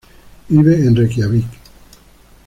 Vive en Reikiavik.